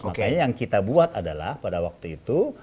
makanya yang kita buat adalah pada waktu itu